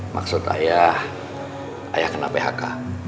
maksud ayah ayah kena phk